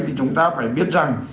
thì chúng ta phải biết rằng